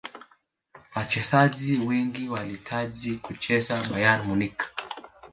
wachezaji wengi walihitaji kucheza bayern munich